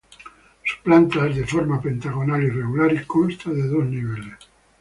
Su planta es de forma pentagonal irregular y consta de dos niveles.